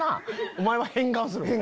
お前は変顔するん？